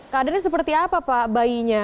kadernya seperti apa pak bayinya